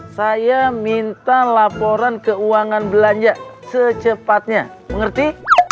saya minta laporan keuangan belanja secepatnya mengerti